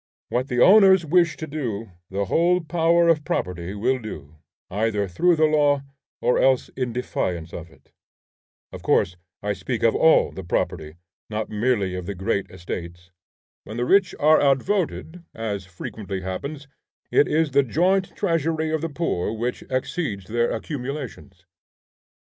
What the owners wish to do, the whole power of property will do, either through the law or else in defiance of it. Of course I speak of all the property, not merely of the great estates. When the rich are outvoted, as frequently happens, it is the joint treasury of the poor which exceeds their accumulations.